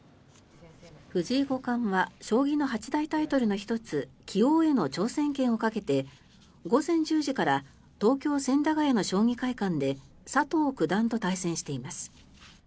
藤井五冠は将棋の八大タイトルの１つ棋王への挑戦権をかけて午前１０時から東京・千駄ヶ谷の将棋会館で佐藤九段と対戦しています。